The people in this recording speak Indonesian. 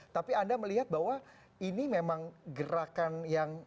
tapi anda melihat bahwa ini memang gerakan yang